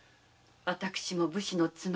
私も武士の妻。